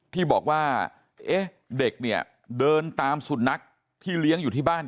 ที่บอกว่าเอ๊ะเด็กเนี่ยเดินตามสุนัขที่เลี้ยงอยู่ที่บ้าน